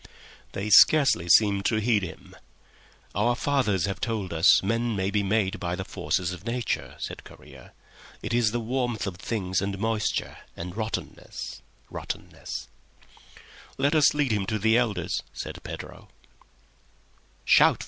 They scarcely seemed to heed him. "Our fathers have told us men may be made by the forces of Nature," said Correa. "It is the warmth of things, and moisture, and rottenness—rottenness." "Let us lead him to the elders," said Pedro.